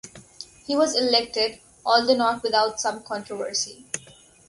He was elected although not without some controversy.